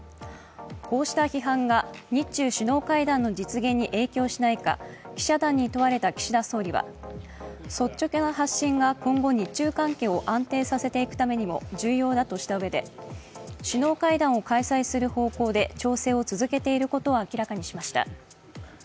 こうした批判が日中首脳会談の実現に影響しないか記者団に問われた岸田総理は率直な発信が今後日中関係を安定させていくためにも重要だとしたうえで首脳会談を開催する方向で調整を続けていることを明らかにしました。